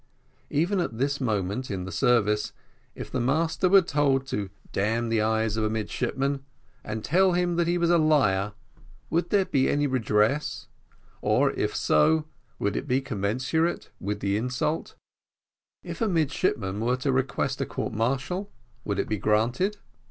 Even at this moment, in the service, if the master were to damn the eyes of a midshipman, and tell him that he was a liar, would there be any redress, or if so, would it be commensurate to the insult? If a midshipman were to request a court martial, would it be granted?